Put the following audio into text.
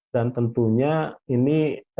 dan tentunya ini